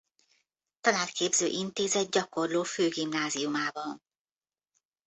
Tanárképző Intézet Gyakorló-Főgymnasiumában.